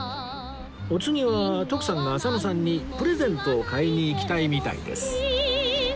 お次は徳さんが浅野さんにプレゼントを買いに行きたいみたいです